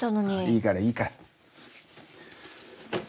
いいからいいから。